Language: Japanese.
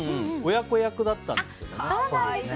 親子役だったんですけどね。